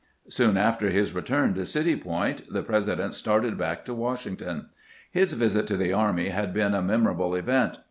Soon after his return to City Point the President started back to Washington. His visit to the army had been a memorable event.